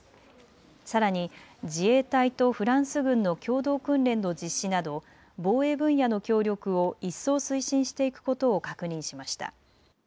さらに自衛隊とフランス軍の共同訓練の実施など防衛分野の協力を一層推進していくことを確認しました。